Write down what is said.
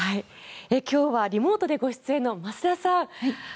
今日はリモートでご出演の増田さん。